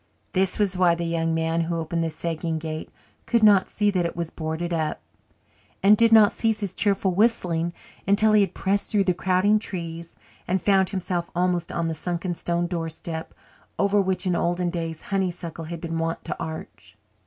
This was why the young man who opened the sagging gate could not see that it was boarded up, and did not cease his cheerful whistling until he had pressed through the crowding trees and found himself almost on the sunken stone doorstep over which in olden days honeysuckle had been wont to arch.